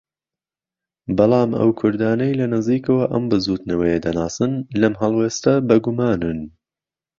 بەڵام ئەو كوردانەی لە نزیكەوە ئەم بزووتنەوەیە دەناسن لەم هەڵوێستە بەگومانن